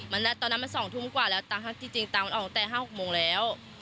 ตอนนั้นมัน๒ทุ่มกว่าแล้วตามจริงตามันออกตั้งแต่๕๖โมงแล้ว